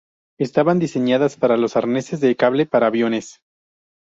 Estaban diseñadas para los arneses de cable para aviones.